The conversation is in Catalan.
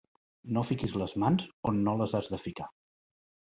No fiquis les mans on no les has de ficar.